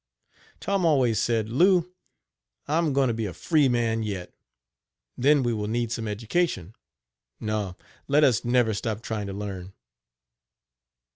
Tom always said: "Lou, I am going to be a free man yet, then we will need some education; no, let us never stop trying to learn.